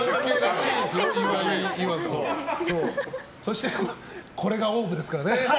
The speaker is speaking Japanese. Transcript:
そしてこれがＯＷＶですからね。